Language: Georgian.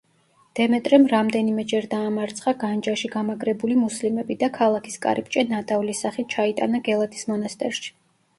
დემეტრემ რამდენიმეჯერ დაამარცხა განჯაში გამაგრებული მუსლიმები და ქალაქის კარიბჭე ნადავლის სახით ჩაიტანა გელათის მონასტერში.